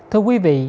thưa quý vị